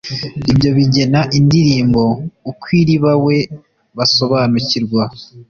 byo bigena indirimbo ukwiribawe basobanukirwa